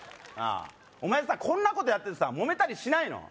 お前さこんなことやっててさもめたりしないの？